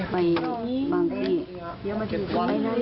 ไปบางที่ไปนะ